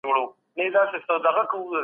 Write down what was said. د هغې پلمې مانا چا ته معلومه نه وه.